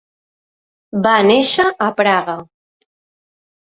Va néixer a Praga.